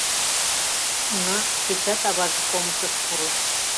Уна, кечат аваже помышыш пурыш.